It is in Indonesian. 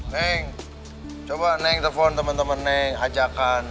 neng coba neng telepon temen temen neng ajakkan